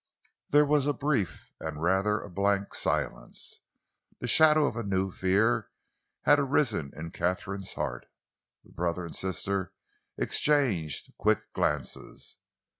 There was a brief and rather a blank silence. The shadow of a new fear had arisen in Katharine's heart. The brother and sister exchanged quick glances.